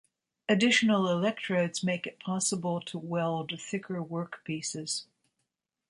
Additional electrodes make it possible to weld thicker workpieces.